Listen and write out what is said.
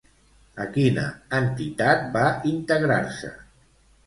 A quina entitat va integrar-se?